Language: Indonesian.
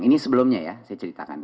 ini sebelumnya ya saya ceritakan